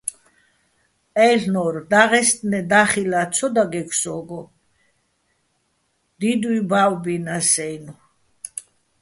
აილ'ნორ: დაღისტნე და́ხილა́ ცო დაგეგ სო́გო, დიდუჲ ბა́ვბინას-აჲნო̆.